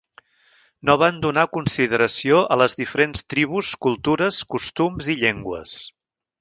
No van donar consideració a les diferents tribus, cultures, costums i llengües.